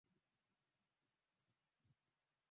Akageuza macho chumba chote